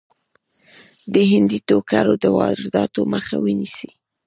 د هندي ټوکرو د وادراتو مخه ونیسي.